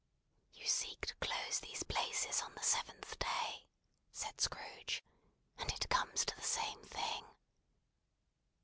"You seek to close these places on the Seventh Day?" said Scrooge. "And it comes to the same thing."